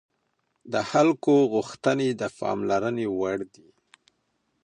د خلکو غوښتنې د پاملرنې وړ دي